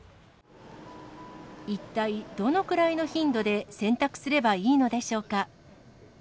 一体どのくらいの頻度で洗濯すればいいのでしょうか。